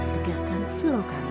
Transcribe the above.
tegakkan serau kami